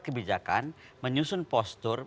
kebijakan menyusun postur